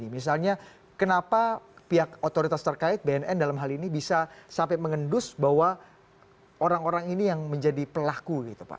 misalnya kenapa pihak otoritas terkait bnn dalam hal ini bisa sampai mengendus bahwa orang orang ini yang menjadi pelaku gitu pak